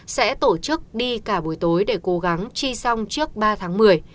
sẽ tổ chức đi cả buổi tối để cố gắng chi xong trước ba tháng một mươi